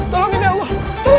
tolongin ya allah